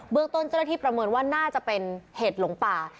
เมืองต้นเจ้าหน้าที่ประเมินว่าน่าจะเป็นเหตุหลงป่า